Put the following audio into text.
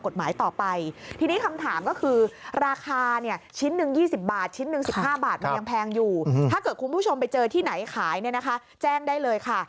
แจ้งอยู่ถ้าเกิดคุณผู้ชมไปเจอที่ไหนขายแจ้งได้เลยค่ะ